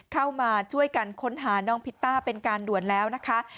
เข้ามาช่วยกันค้นหาน้องพิตต้าเป็นการด่วนแล้วนะคะ